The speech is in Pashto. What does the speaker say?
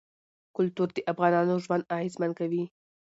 کلتور د افغانانو ژوند اغېزمن کوي.